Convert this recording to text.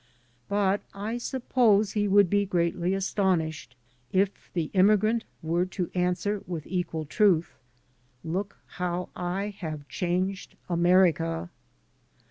'' But I suppose he would be greatly astonished if the immigrant were to answer, with equal truth, "Look how I have changed America!"